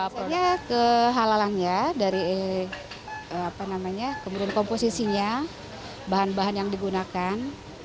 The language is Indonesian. kemudian ke halalannya dari komposisinya bahan bahan yang digunakan